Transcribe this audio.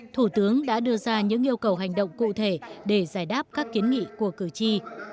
thủ tướng đã đưa ra những yêu cầu hành động cụ thể để giải đáp các kiến nghị của cử tri